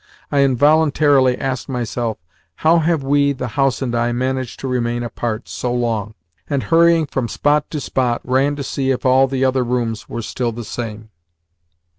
Involuntarily I asked myself, "How have we, the house and I, managed to remain apart so long?" and, hurrying from spot to spot, ran to see if all the other rooms were still the same.